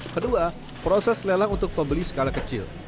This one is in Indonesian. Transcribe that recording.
kedua proses lelang untuk pembeli skala kecil